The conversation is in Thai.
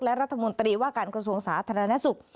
และรัฐมนตรีว่าการคศวงศาสตร์ธรรณสุข